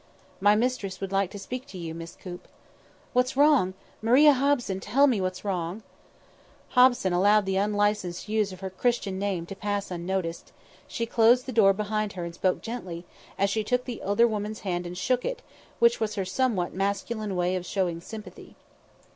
"My mistress would like to speak to you, Miss Coop." "What's wrong? Maria Hobson, tell me what's wrong." Hobson allowed the unlicensed use of her Christian name to pass unnoticed; she closed the door behind her and spoke gently, as she took the other woman's hand and shook it, which was her somewhat masculine way of showing sympathy.